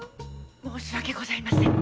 申し訳ございません。